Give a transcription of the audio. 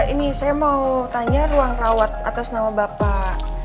ini saya mau tanya ruang rawat atas nama bapak